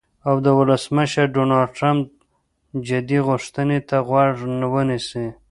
او د ولسمشر ډونالډ ټرمپ "جدي غوښتنې" ته غوږ ونیسي.